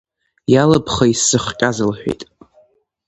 Иалабхи сзыхҟьаз лҳәеит.